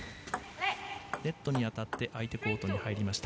ネットに当たって相手コートに入りました。